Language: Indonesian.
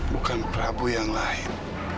bukan prabu yang lain